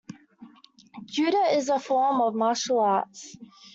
Judo is a form of martial arts.